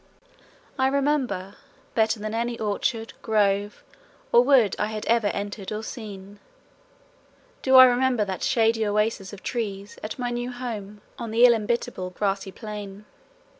I remember better than any orchard, grove, or wood I have ever entered or seen, do I remember that shady oasis of trees at my new home on the illimitable grassy plain.